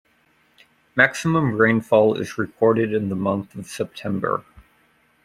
Maximum rainfall is recorded in the month of September.